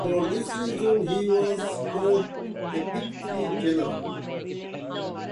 For this reason, he was called "The Big Tree General".